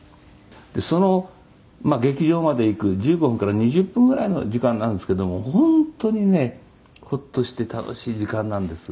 「でその劇場まで行く１５分から２０分ぐらいの時間なんですけども本当にねホッとして楽しい時間なんです」